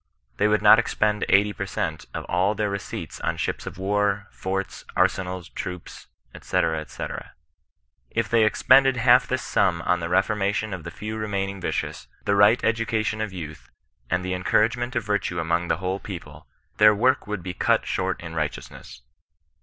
They would not expend eighty per cent, of all their receipts on ships of war, forts, arsenals, troops, &c. &c. If they expended half this sum on the reformation of the few remaining yicious, the right education of youth, and the encouragement of virtue among the whole people, their work would be cut short in righteousness.